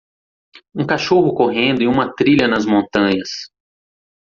Um cachorro correndo em uma trilha nas montanhas